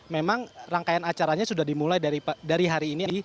memang rangkaian acaranya sudah dimulai dari hari ini